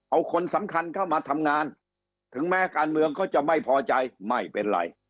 เอาคนสำคัญเข้ามาทำงานถึงแม้การเมืองเขาจะไม่พอใจไม่เป็นไร